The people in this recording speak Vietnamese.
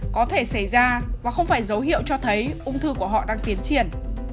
có thể xảy ra và không phải dấu hiệu cho thấy ung thư của họ đang tiến triển